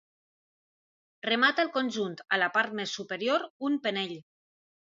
Remata el conjunt, a la part més superior, un penell.